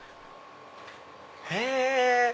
へぇ。